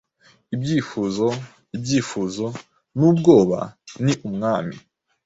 Ibyifuzo, Ibyifuzo, nubwoba, ni Umwami